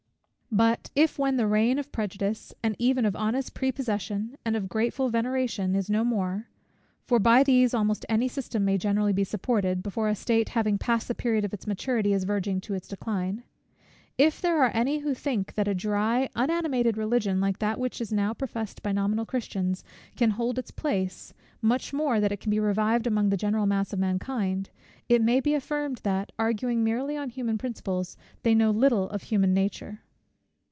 But if, when the reign of prejudice, and even of honest prepossession, and of grateful veneration, is no more (for by these almost any system may generally be supported, before a state, having passed the period of its maturity, is verging to its decline); if there are any who think that a dry, unanimated Religion, like that which is now professed by nominal Christians, can hold its place; much more that it can be revived among the general mass of mankind, it may be affirmed, that, arguing merely on human principles, they know little of human nature.